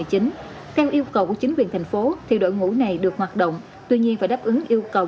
chính theo yêu cầu của chính quyền thành phố thì đội ngũ này được hoạt động tuy nhiên phải đáp ứng yêu cầu